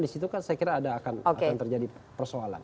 di situ kan saya kira akan terjadi persoalan